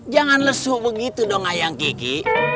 jangan lesu begitu dong ayang gigi